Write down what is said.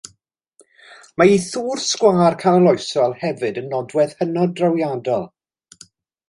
Mae ei thŵr sgwâr canoloesol hefyd yn nodwedd hynod o drawiadol.